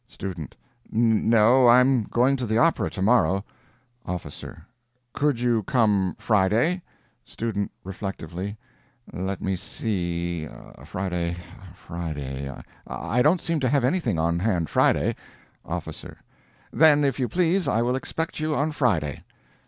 STUDENT. "No, I am going to the opera, tomorrow." OFFICER. "Could you come Friday?" STUDENT. (Reflectively.) "Let me see Friday Friday. I don't seem to have anything on hand Friday." OFFICER. "Then, if you please, I will expect you on Friday."